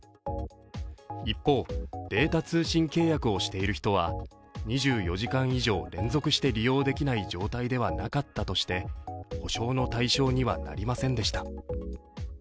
一方、データ通信契約をしている人は２４時間以上連続して利用できない状態ではなかったとして補償の対象にはなりませんでした。